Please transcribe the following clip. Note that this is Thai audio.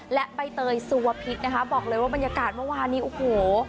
และใบเตยสุวพิษนะคะบอกเลยว่าบรรยากาศเมื่อวานนี้โอ้โห